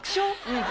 うん。